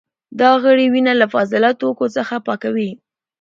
دا غړي وینه له فاضله توکو څخه پاکوي.